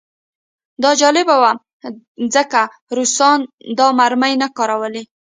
دا جالبه وه ځکه روسانو دا مرمۍ نه کارولې